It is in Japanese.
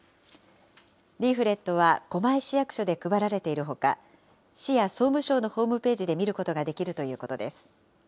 リーフレットは狛江市役所で配られているほか、市や総務省のホームページで見ることができるということです。